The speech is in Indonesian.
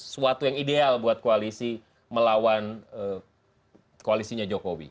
suatu yang ideal buat koalisi melawan koalisinya jokowi